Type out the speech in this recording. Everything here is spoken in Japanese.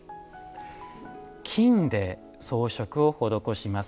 金で装飾を施します。